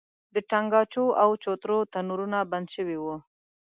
د تنګاچو او چوترو تنورونه بند شوي وو.